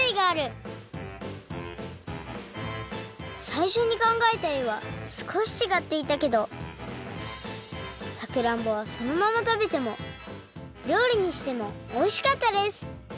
さいしょにかんがえたえはすこしちがっていたけどさくらんぼはそのままたべてもりょうりにしてもおいしかったです！